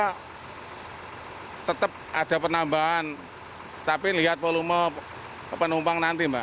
hai tetep ada penambahan tapi lihat volume penumpang nanti mbak